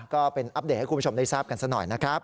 ก็เป็นอัปเดตให้คุณผู้ชมได้ทราบกันสักหน่อยนะครับ